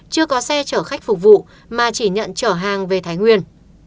chưa có xe chở khách phục vụ mà chỉ nhận trở hàng về thái nguyên